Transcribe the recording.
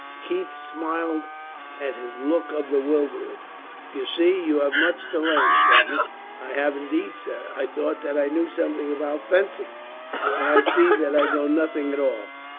Keith smiled at his look of bewilderment. "You see, you have much to learn, Fergus." "I have indeed, sir. I thought that I knew something about fencing, but I see that I know nothing at all."